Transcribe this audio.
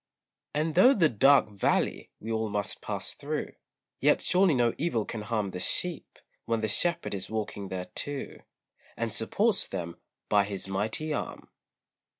And though the "dark valley" we all must pass through, Yet surely no evil can harm The sheep, when the Shepherd is walking there too, And supports them by his mighty arm.